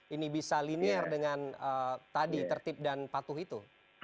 ini bisa linear dengan tadi tertib dan patuh itu